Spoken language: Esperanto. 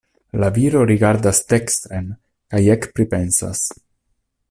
La viro rigardas dekstren kaj ekpripensas.